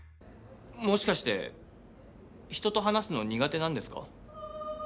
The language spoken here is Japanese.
もしかして人と話すの苦手なんですか？